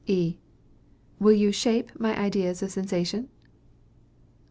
E. Will you shape my ideas of sensation?